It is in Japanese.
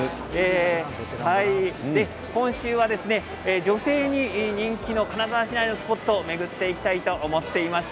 今週は女性に人気の金沢市内のスポットを巡っていきたいと思います。